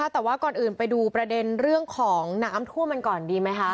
แต่ว่าก่อนอื่นไปดูประเด็นเรื่องของน้ำท่วมกันก่อนดีไหมคะ